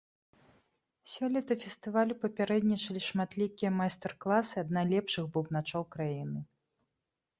Сёлета фестывалю папярэднічалі шматлікія майстар-класы ад найлепшых бубначоў краіны.